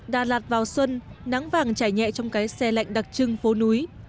đà lạt vào xuân nắng vàng chảy nhẹ trong cái xe lạnh đặc trưng phố núi